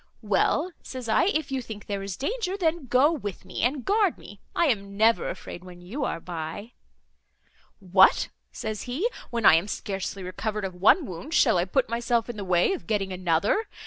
'Well,' says I, 'if you think there is danger, then, go with me, and guard me; I am never afraid when you are by.' 'What!' says he, 'when I am scarcely recovered of one wound, shall I put myself in the way of getting another?